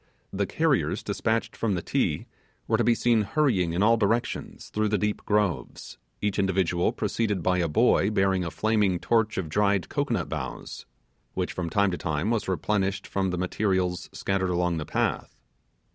The carriers dispatched from the Ti were to be seen hurrying in all directions through the deep groves; each individual preceded by a boy bearing a flaming torch of dried cocoanut boughs, which from time to time was replenished from the materials scattered along the path.